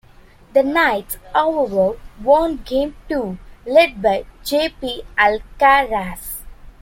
The Knights, however, won game two, led by J P Alcaraz.